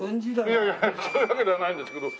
いやいやそういうわけではないんですけど。